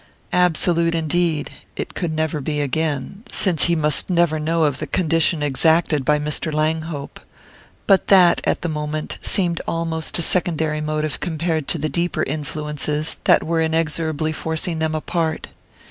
Absolute, indeed, it could never be again, since he must never know of the condition exacted by Mr. Langhope; but that, at the moment, seemed almost a secondary motive compared to the deeper influences that were inexorably forcing them apart.